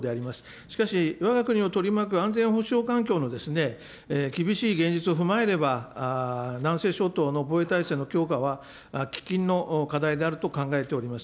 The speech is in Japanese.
しかし、わが国を取り巻く安全保障環境の厳しい現実を踏まえれば、南西諸島の防衛態勢の強化は、喫緊の課題であると考えております。